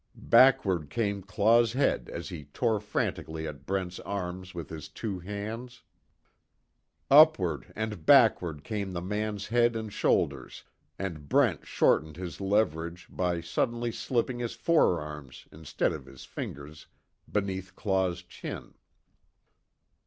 Backward came Claw's head as he tore frantically at Brent's arms with his two hands. Upward and backward came the man's head and shoulders, and Brent shortened his leverage by suddenly slipping his forearms instead of his fingers beneath Claw's chin.